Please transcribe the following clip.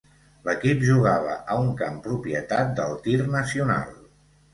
L'equip jugava a un camp propietat del Tir Nacional.